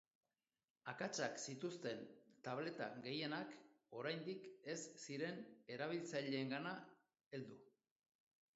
Akatsak zituzten tableta gehienak oraindik ez ziren erabiltzaileengana heldu.